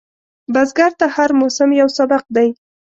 بزګر ته هر موسم یو سبق دی